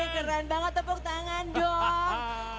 keren banget tepuk tangan dong